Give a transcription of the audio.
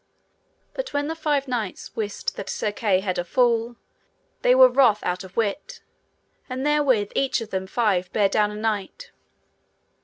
But when the five knights wist that Sir Kay had a fall, they were wroth out of wit, and therewith each of them five bare down a knight.